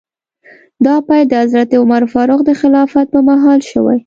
دا پیل د حضرت عمر فاروق د خلافت په مهال شوی.